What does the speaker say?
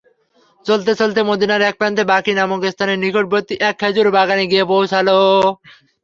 চলতে চলতে মদীনার এক প্রান্তে বাকী নামক স্থানের নিকটবর্তী এক খেজুর বাগানে গিয়ে পৌঁছল।